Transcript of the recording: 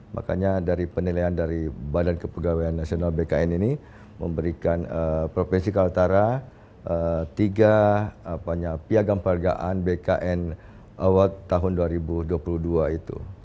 makanya dari penilaian dari badan kepegawaian nasional bkn ini memberikan provinsi kaltara tiga piagam pergaan bkn awal tahun dua ribu dua puluh dua itu